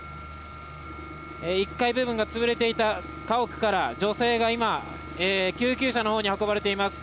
１階部分が潰れていた家屋から女性が今、救急車のほうに運ばれています。